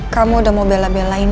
kamu udah mau bela belain